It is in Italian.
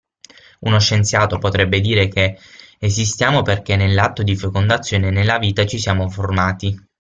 Uno scienziato potrebbe dire che esistiamo perché nell'atto di fecondazione nella vita ci siamo formati.